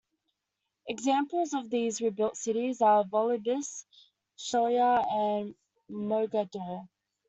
Examples of these rebuilt cities are Volubilis, Chellah and Mogador.